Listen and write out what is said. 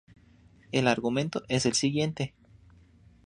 El argumento es el siguiente.